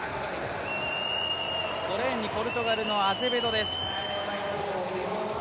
５レーンにポルトガルのアゼベドです。